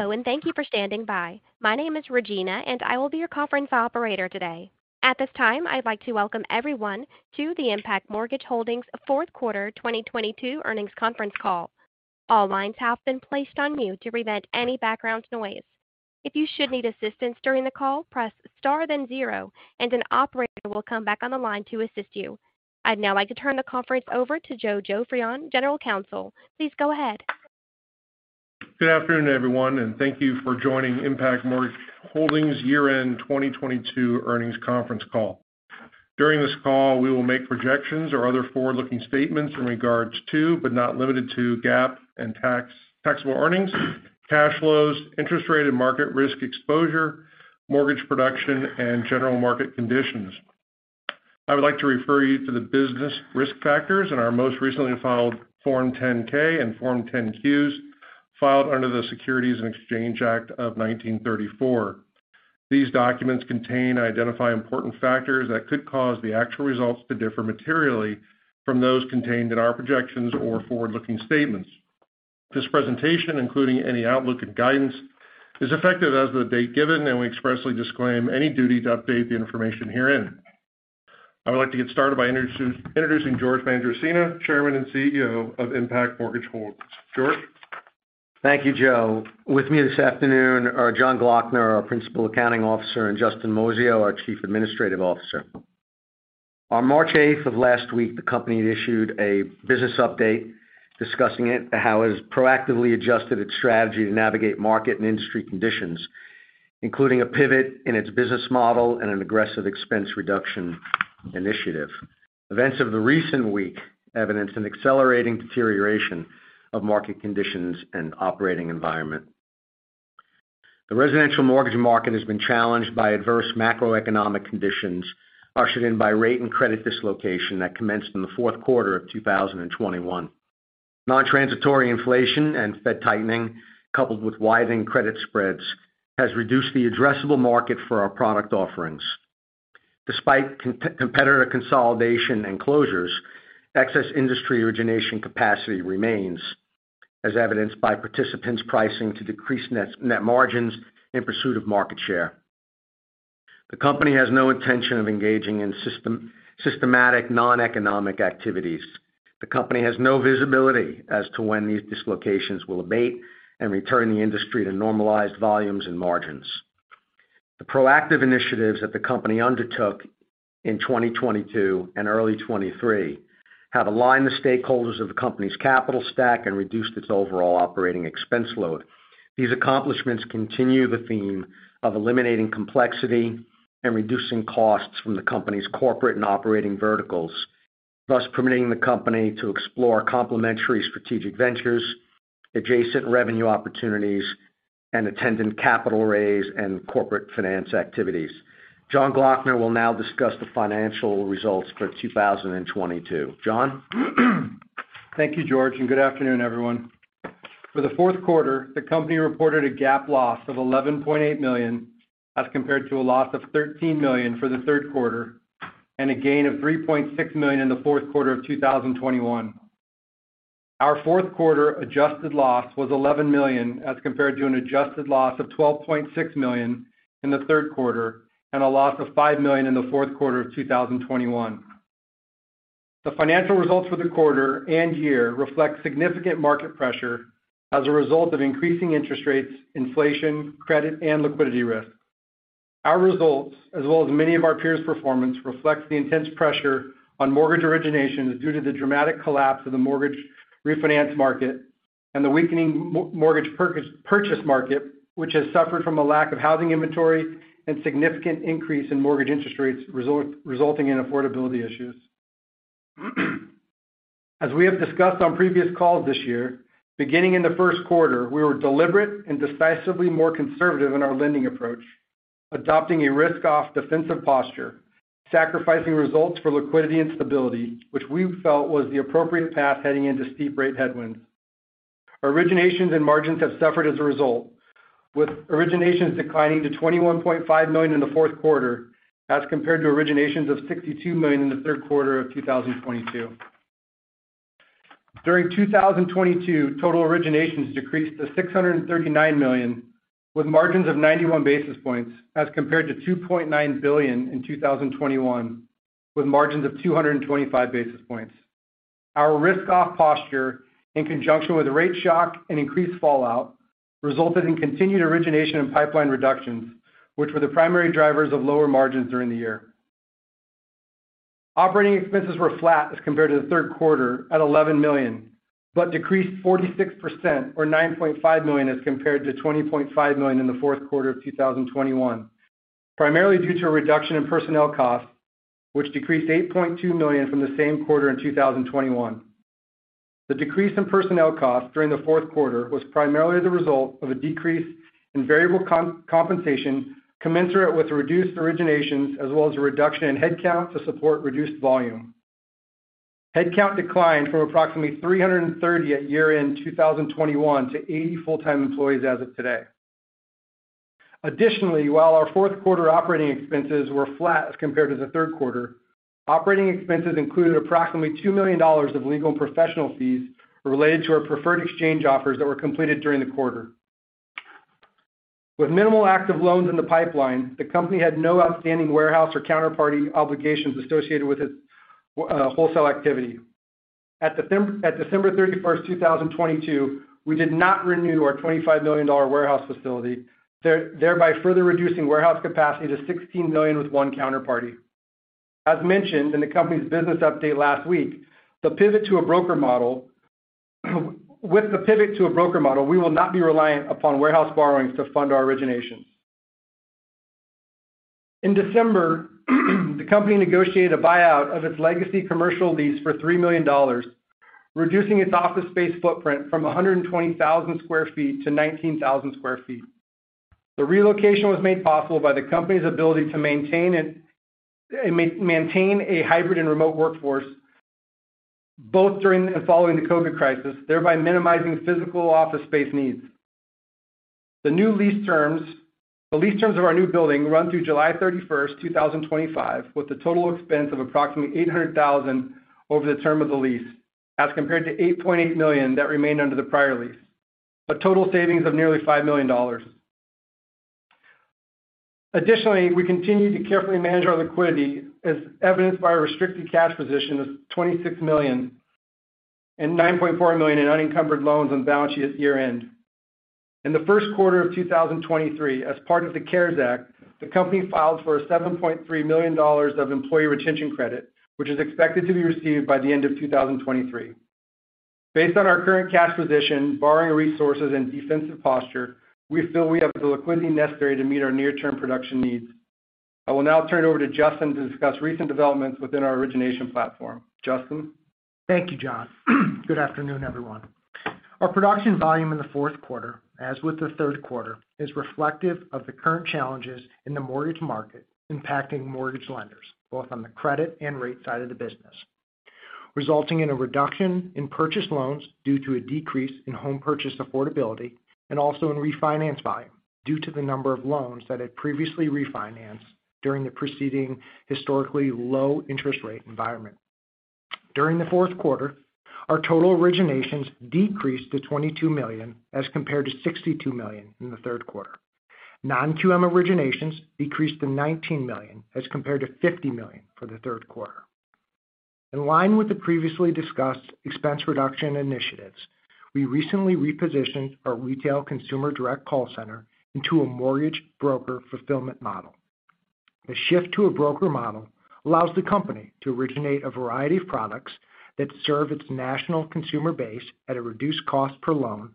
Hello. Thank you for standing by. My name is Regina, and I will be your conference operator today. At this time, I'd like to welcome everyone to the Impac Mortgage Holdings Fourth Quarter 2022 Earnings Conference Call. All lines have been placed on mute to prevent any background noise. If you should need assistance during the call, press star then zero, and an operator will come back on the line to assist you. I'd now like to turn the conference over to Joe Joffrion, General Counsel. Please go ahead. Good afternoon, everyone, and thank you for joining Impac Mortgage Holdings Year-End 2022 Earnings Conference Call. During this call, we will make projections or other forward-looking statements in regards to, but not limited to, GAAP and tax, taxable earnings, cash flows, interest rate and market risk exposure, mortgage production and general market conditions. I would like to refer you to the business risk factors in our most recently filed Form 10-K and Form 10-Qs filed under the Securities Exchange Act of 1934. These documents contain and identify important factors that could cause the actual results to differ materially from those contained in our projections or forward-looking statements. This presentation, including any outlook and guidance, is effective as of the date given, and we expressly disclaim any duty to update the information herein. I would like to get started by introducing George Mangiaracina, Chairman and CEO of Impac Mortgage Holdings. George? Thank you, Joe. With me this afternoon are Jon Gloeckner, our Principal Accounting Officer, and Justin Moisio, our Chief Administrative Officer. On March 8th of last week, the company issued a business update discussing how it has proactively adjusted its strategy to navigate market and industry conditions, including a pivot in its business model and an aggressive expense reduction initiative. Events of the recent week evidenced an accelerating deterioration of market conditions and operating environment. The residential mortgage market has been challenged by adverse macroeconomic conditions ushered in by rate and credit dislocation that commenced in the fourth quarter of 2021. Nontransitory inflation and Fed tightening, coupled with widening credit spreads, has reduced the addressable market for our product offerings. Despite competitor consolidation and closures, excess industry origination capacity remains, as evidenced by participants pricing to decrease net margins in pursuit of market share. The company has no intention of engaging in system, systematic noneconomic activities. The company has no visibility as to when these dislocations will abate and return the industry to normalized volumes and margins. The proactive initiatives that the company undertook in 2022 and early 2023 have aligned the stakeholders of the company's capital stack and reduced its overall operating expense load. These accomplishments continue the theme of eliminating complexity and reducing costs from the company's corporate and operating verticals, thus permitting the company to explore complementary strategic ventures, adjacent revenue opportunities and attendant capital raise and corporate finance activities. Jon Gloeckner will now discuss the financial results for 2022. Jon? Thank you, George. Good afternoon, everyone. For the fourth quarter, the company reported a GAAP loss of $11.8 million, as compared to a loss of $13 million for the third quarter and a gain of $3.6 million in the fourth quarter of 2021. Our fourth quarter adjusted loss was $11 million, as compared to an adjusted loss of $12.6 million in the third quarter and a loss of $5 million in the fourth quarter of 2021. The financial results for the quarter and year reflect significant market pressure as a result of increasing interest rates, inflation, credit and liquidity risk. Our results, as well as many of our peers' performance, reflects the intense pressure on mortgage originations due to the dramatic collapse of the mortgage refinance market and the weakening mortgage purchase market, which has suffered from a lack of housing inventory and significant increase in mortgage interest rates resulting in affordability issues. As we have discussed on previous calls this year, beginning in the first quarter, we were deliberate and decisively more conservative in our lending approach, adopting a risk-off defensive posture, sacrificing results for liquidity and stability, which we felt was the appropriate path heading into steep rate headwinds. Our originations and margins have suffered as a result, with originations declining to $21.5 million in the fourth quarter as compared to originations of $62 million in the third quarter of 2022. During 2022, total originations decreased to $639 million, with margins of 91 basis points, as compared to $2.9 billion in 2021, with margins of 225 basis points. Our risk-off posture in conjunction with rate shock and increased fallout resulted in continued origination and pipeline reductions, which were the primary drivers of lower margins during the year. Operating expenses were flat as compared to the third quarter at $11 million, decreased 46% or $9.5 million as compared to $20.5 million in the fourth quarter of 2021, primarily due to a reduction in personnel costs, which decreased $8.2 million from the same quarter in 2021. The decrease in personnel costs during the fourth quarter was primarily the result of a decrease in variable compensation commensurate with reduced originations as well as a reduction in headcount to support reduced volume. Headcount declined from approximately 330 at year-end 2021 to 80 full-time employees as of today. While our fourth quarter operating expenses were flat as compared to the third quarter, operating expenses included approximately $2 million of legal and professional fees related to our preferred exchange offers that were completed during the quarter. With minimal active loans in the pipeline, the company had no outstanding warehouse or counterparty obligations associated with its wholesale activity. At December 31st, 2022, we did not renew our $25 million warehouse facility, thereby further reducing warehouse capacity to $16 million with one counterparty. As mentioned in the company's business update last week, With the pivot to a broker model, we will not be reliant upon warehouse borrowings to fund our origination. In December, the company negotiated a buyout of its legacy commercial lease for $3 million, reducing its office space footprint from 120,000 sq ft to 19,000 sq ft. The relocation was made possible by the company's ability to maintain a hybrid and remote workforce both during and following the COVID crisis, thereby minimizing physical office space needs. The lease terms of our new building run through July 31st, 2025, with a total expense of approximately $800,000 over the term of the lease, as compared to $8.8 million that remained under the prior lease, a total savings of nearly $5 million. Additionally, we continue to carefully manage our liquidity, as evidenced by our restricted cash position of $26 million and $9.4 million in unencumbered loans on the balance sheet at year-end. In the first quarter of 2023, as part of the CARES Act, the company filed for $7.3 million of Employee Retention Credit, which is expected to be received by the end of 2023. Based on our current cash position, borrowing resources and defensive posture, we feel we have the liquidity necessary to meet our near-term production needs. I will now turn it over to Justin to discuss recent developments within our origination platform. Justin. Thank you, Jon. Good afternoon, everyone. Our production volume in the fourth quarter, as with the third quarter, is reflective of the current challenges in the mortgage market impacting mortgage lenders, both on the credit and rate side of the business, resulting in a reduction in purchase loans due to a decrease in home purchase affordability and also in refinance volume due to the number of loans that had previously refinanced during the preceding historically low interest rate environment. During the fourth quarter, our total originations decreased to $22 million as compared to $62 million in the third quarter. Non-QM originations decreased to $19 million as compared to $50 million for the third quarter. In line with the previously discussed expense reduction initiatives, we recently repositioned our retail consumer direct call center into a mortgage broker fulfillment model. The shift to a broker model allows the company to originate a variety of products that serve its national consumer base at a reduced cost per loan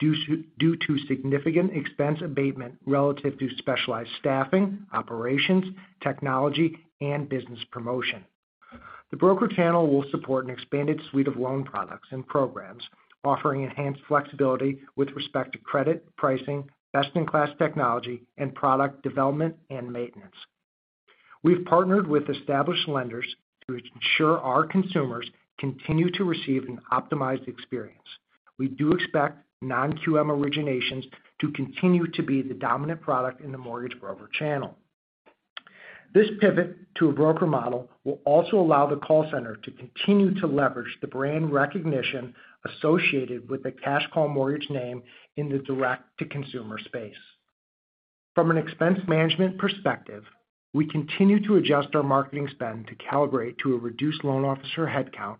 due to significant expense abatement relative to specialized staffing, operations, technology, and business promotion. The broker channel will support an expanded suite of loan products and programs offering enhanced flexibility with respect to credit, pricing, best-in-class technology, and product development and maintenance. We've partnered with established lenders to ensure our consumers continue to receive an optimized experience. We do expect non-QM originations to continue to be the dominant product in the mortgage broker channel. This pivot to a broker model will also allow the call center to continue to leverage the brand recognition associated with the CashCall Mortgage name in the direct-to-consumer space. From an expense management perspective, we continue to adjust our marketing spend to calibrate to a reduced loan officer headcount,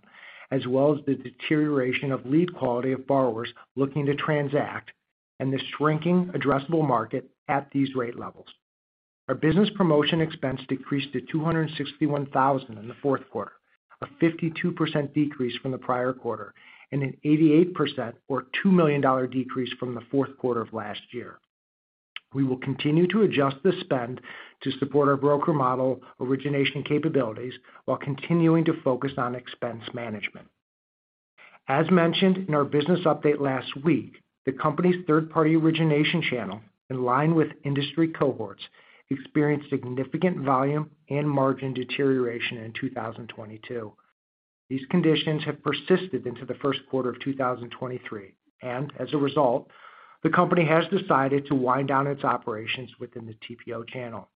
as well as the deterioration of lead quality of borrowers looking to transact and the shrinking addressable market at these rate levels. Our business promotion expense decreased to $261,000 in the fourth quarter, a 52% decrease from the prior quarter, and an 88% or $2 million decrease from the fourth quarter of last year. We will continue to adjust the spend to support our broker model origination capabilities while continuing to focus on expense management. As mentioned in our business update last week, the company's third-party origination channel, in line with industry cohorts, experienced significant volume and margin deterioration in 2022. These conditions have persisted into the first quarter of 2023. As a result, the company has decided to wind down its operations within the TPO channel.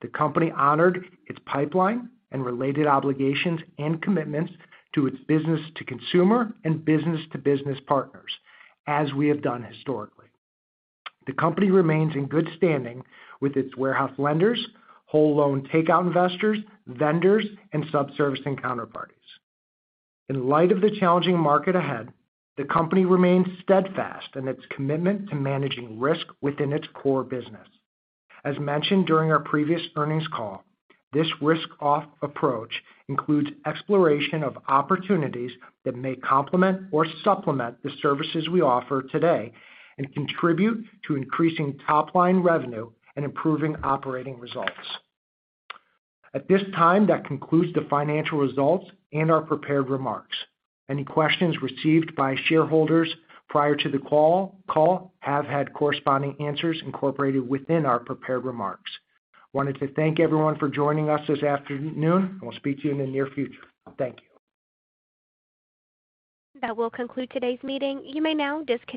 The company honored its pipeline and related obligations and commitments to its business-to-consumer and business-to-business partners, as we have done historically. The company remains in good standing with its warehouse lenders, whole loan takeout investors, vendors, and sub-servicing counterparties. In light of the challenging market ahead, the company remains steadfast in its commitment to managing risk within its core business. As mentioned during our previous earnings call, this risk-off approach includes exploration of opportunities that may complement or supplement the services we offer today and contribute to increasing top-line revenue and improving operating results. At this time, that concludes the financial results and our prepared remarks. Any questions received by shareholders prior to the call have had corresponding answers incorporated within our prepared remarks. Wanted to thank everyone for joining us this afternoon, and we'll speak to you in the near future. Thank you. That will conclude today's meeting. You may now disconnect.